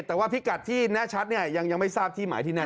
แต่ว่าพิกัดที่แน่ชัดเนี่ยยังไม่ทราบที่หมายที่แน่